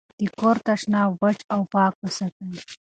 د کور تشناب وچ او پاک وساتئ.